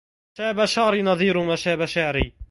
شاب شعري نظير ما شاب شعري